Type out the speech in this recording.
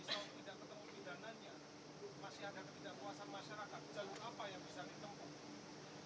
masih ada ketidakpuasan masyarakat